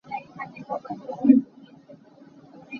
Kap Thang nih khuapi sa a kan zamh nain kannih chung cu kan co lo.